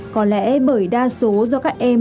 có lẽ bởi đa số do các em